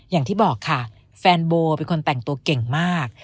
อย่างที่บอกค่ะแฟนโบเป็นคนแต่งตัวเก่งมาก